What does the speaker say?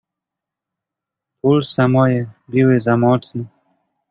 "Pulsa moje biły za mocno."